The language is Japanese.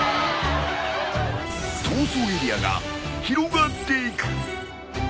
逃走エリアが広がっていく。